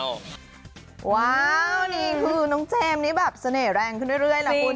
ว้าวนี่คือน้องเจมส์นี่แบบเสน่ห์แรงขึ้นเรื่อยล่ะคุณ